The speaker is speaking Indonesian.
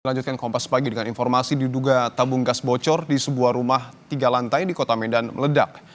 melanjutkan kompas pagi dengan informasi diduga tabung gas bocor di sebuah rumah tiga lantai di kota medan meledak